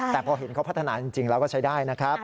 แต่พอเห็นเขาพัฒนาจริงแล้วก็ใช้ได้นะครับ